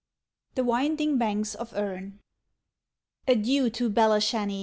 THE WINDING BANKS OF ERNE Adieu to Belashanny!